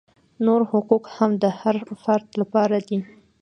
نور حقوق هم د هر فرد لپاره دي.